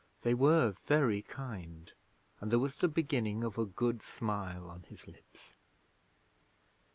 They were very kind, and there was the beginning of a good smile on his lips.